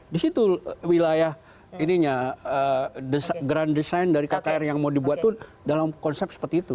di situ wilayah ininya grand design dari kkr yang mau dibuat itu dalam konsep seperti itu